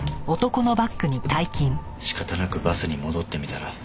仕方なくバスに戻ってみたら。